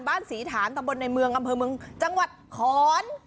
บ้านศรีฐานตำบ้นในเมืองก็มเพลิงจังหวัดอันนี้